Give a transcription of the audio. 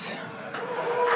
dan sangat karismatis